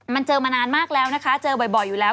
มันเจอมานานมากแล้วนะคะเจอบ่อยอยู่แล้ว